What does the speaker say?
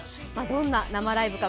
どんな生ライブか